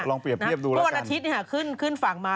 ลองเปรียบดูแล้วกันนะครับที่วันอาทิตย์ขึ้นฝั่งมา